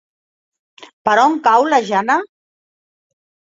Per on cau la Jana?